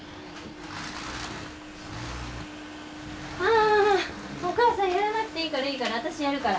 あお母さんやらなくていいからいいから私やるから。